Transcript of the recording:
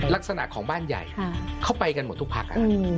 ลักษณะของบ้านใหญ่เข้าไปกันหมดทุกพัก